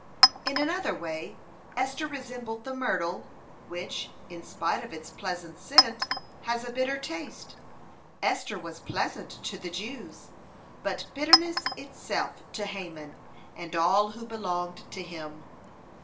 In another way Esther resembled the myrtle, which, in spite of its pleasant scent, has a bitter taste. Esther was pleasant to the Jews, but bitterness itself to Haman and all who belonged to him.